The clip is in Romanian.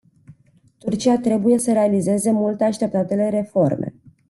Turcia trebuie să realizeze mult așteptatele reforme.